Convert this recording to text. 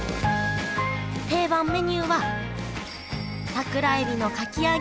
定番メニューは桜えびのかき揚げ！